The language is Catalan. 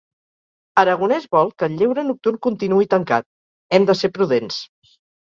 Aragonès vol que el lleure nocturn continuï tancat: “Hem de ser prudents”